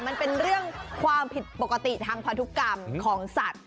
มันเป็นเรื่องความผิดปกติทางพันธุกรรมของสัตว์